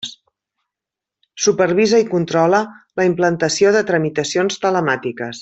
Supervisa i controla la implantació de tramitacions telemàtiques.